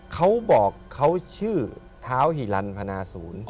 เขาบอกเขาชื่อเท้าฮิลันพนาศูนย์